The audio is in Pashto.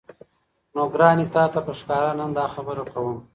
نو ګراني! تاته په ښكاره نن داخبره كوم